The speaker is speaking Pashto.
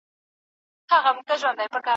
عمر فاروق په ځمکه کې د الهي عدل یو ژوندی مثال و.